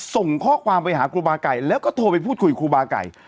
ส่งข้อความไปหาครูบาไก่แล้วก็โทรไปพูดคุยครูบาไก่